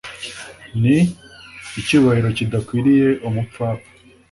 n icyubahiro kidakwiriye umupfapfa